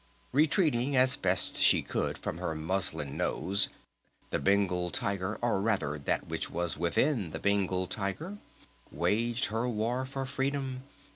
Retreating as best she could from her muslin nose, the Bengal Tiger or rather that which was within the Bengal Tiger, waged her war for Freedom!